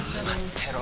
てろ